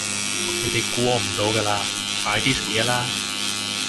你哋估我唔到㗎嘞，快啲食嘢啦